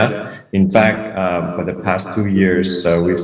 sebenarnya selama dua tahun yang lalu